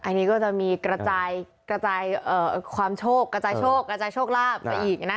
อันนี้ก็จะมีกระจายความโชคกระจายโชคกระจายโชคลาภไปอีกนะ